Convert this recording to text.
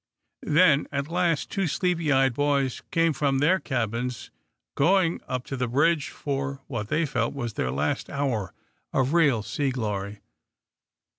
Then, at last, two sleepy eyed boys came from their cabins, going up to the bridge for what they felt was their last hour of real sea glory.